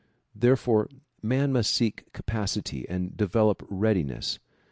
Therefore man must seek capacity and develop readiness.